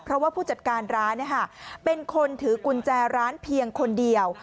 เพราะว่าผู้จัดการร้านเป็นคนถือกุญแจร้านเพียงคนเดียว